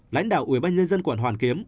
lãnh đạo ubnd quận hoàn kiếm